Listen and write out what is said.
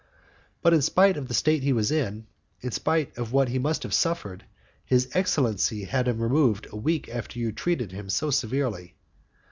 "But in spite of the state he was in, in spite of what he must have suffered, his excellency had him removed a week after you had treated him so severely.